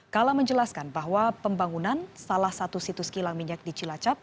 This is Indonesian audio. kala menjelaskan bahwa pembangunan salah satu situs kilang minyak di cilacap